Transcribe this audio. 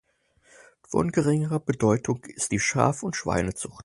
Von geringerer Bedeutung ist die Schaf- und Schweinezucht.